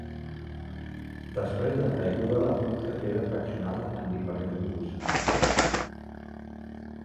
Després de la caiguda la cursa quedà fraccionada en diferents grups.